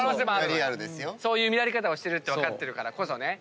そういう見られ方をしてるって分かってるからこそね。